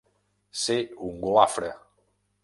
Ser un golafre.